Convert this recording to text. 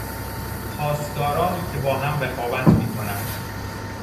خواستگارانی که با هم رقابت میکنند